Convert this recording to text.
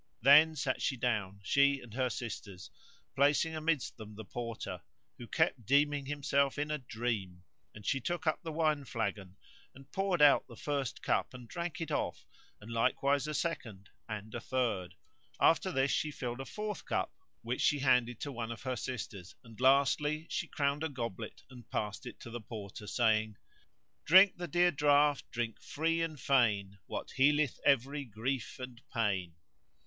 Then sat she down, she and her sisters, placing amidst them the Porter who kept deeming himself in a dream; and she took up the wine flagon, and poured out the first cup and drank it off, and likewise a second and a third.[FN#156] After this she filled a fourth cup which she handed to one of her sisters; and, lastly, she crowned a goblet and passed it to the Porter, saying:— "Drink the dear draught, drink free and fain * What healeth every grief and pain."